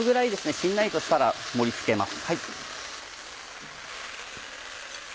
しんなりとしたら盛り付けます。